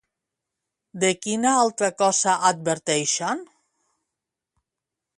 De quina altra cosa adverteixen?